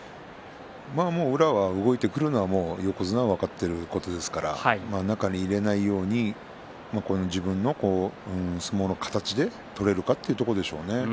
宇良が動いてくるのは横綱は分かっていることですから中に入れないように自分の相撲の形で取れるかというところでしょうね。